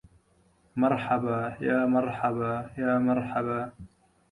مرحبا يا مرحبا يا مرحبا